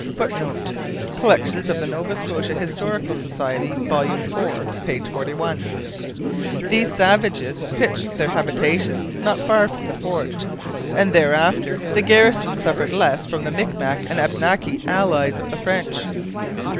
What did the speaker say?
[Footnote: Collections of the Nova Scotia Historical Society, vol. iv, p. 41.] These savages pitched their habitations not far from the fort, and thereafter the garrison suffered less from the Micmac and Abnaki allies of the French.